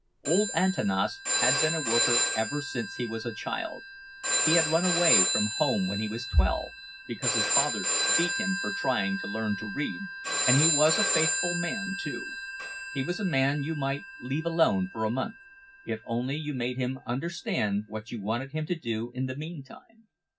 Old Antanas had been a worker ever since he was a child; he had run away from home when he was twelve, because his father beat him for trying to learn to read. And he was a faithful man, too; he was a man you might leave alone for a month, if only you had made him understand what you wanted him to do in the meantime.